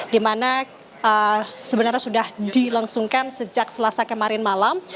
di mana sebenarnya sudah dilangsungkan sejak selasa kemarin malam